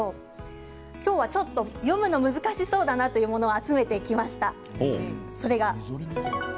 今日はちょっと読むのが難しそうだなというものを集めてきました。